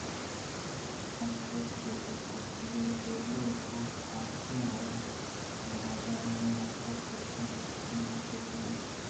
انچوش کہ اے کرسی ءُٹیبل گوں حاصیں وڑءُ ڈولےءَ پہ آئی ءِحاترا جنگ بوتگ اَنت